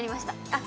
あっ